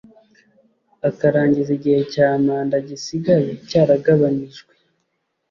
akarangiza igihe cya manda gisigaye cyaragabanijwe.